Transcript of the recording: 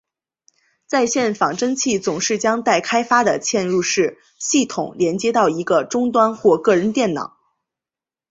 在线仿真器总是将待开发的嵌入式系统连接到一个终端或个人电脑。